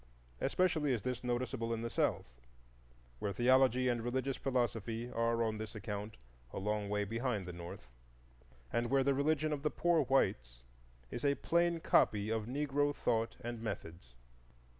Especially is this noticeable in the South, where theology and religious philosophy are on this account a long way behind the North, and where the religion of the poor whites is a plain copy of Negro thought and methods.